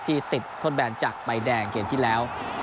ที่ติดทดแบนจากใบแดงเกมที่แล้ว